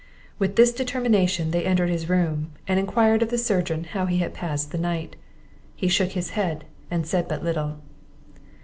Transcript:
With this determination they entered his room, and enquired of the surgeon how he had passed the night. He shook his head, and said but little.